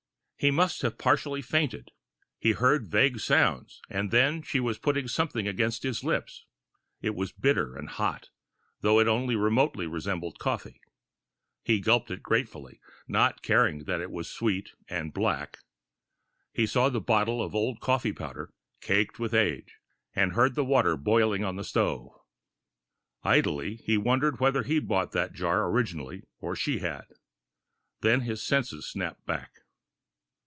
He must have partially fainted. He heard vague sounds, and then she was putting something against his lips. It was bitter and hot, though it only remotely resembled coffee. He gulped it gratefully, not caring that it was sweet and black. He saw the bottle of old coffee powder, caked with age, and heard the water boiling on the stove. Idly, he wondered whether he'd bought the jar originally or she had. Then his senses snapped back.